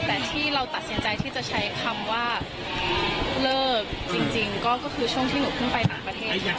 แต่ที่เราตัดสินใจที่จะใช้คำว่าเลิกจริงก็คือช่วงที่หนูเพิ่งไปต่างประเทศ